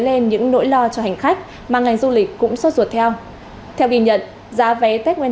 lên những nỗi lo cho hành khách mà ngành du lịch cũng xót ruột theo theo ghi nhận giá vé tết nguyên